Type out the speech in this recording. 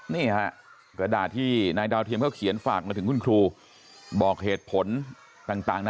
นี่ฮะกระดาษที่นายดาวเทียมเขาเขียนฝากมาถึงคุณครูบอกเหตุผลต่างนะ